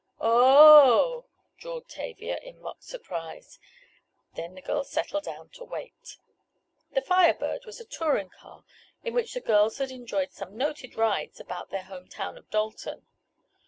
"O o o oh!" drawled Tavia, in mock surprise. Then the girls settled down to wait. The Fire Bird, was a touring car in which the girls had enjoyed some noted rides about their home town of Dalton.